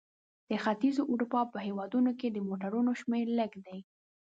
د ختیځې اروپا په هېوادونو کې د موټرونو شمیر لږ دی.